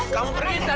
kamu pergi dari sini